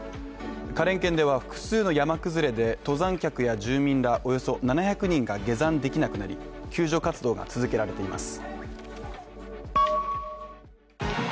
花蓮県では複数の山崩れで登山客や住民らおよそ７００人が下山できなくなり救助活動が続けられています。